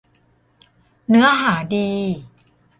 เนื้อหาดี